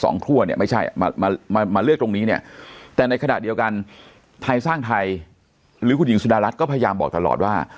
คั่วเนี่ยไม่ใช่มามาเลือกตรงนี้เนี่ยแต่ในขณะเดียวกันไทยสร้างไทยหรือคุณหญิงสุดารัฐก็พยายามบอกตลอดว่า